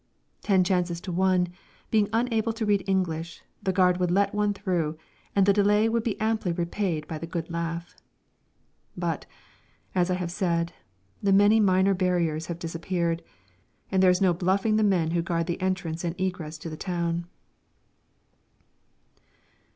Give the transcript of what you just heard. Ten chances to one, being unable to read English, the guard would let one through, and the delay would be amply repaid by the good laugh. But as I said, the many minor barriers have disappeared, and there is no bluffing the men who guard the entrance and egress to the town.